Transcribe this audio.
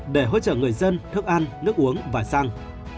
để hỗ trợ người dân thức ăn nước uống và xăng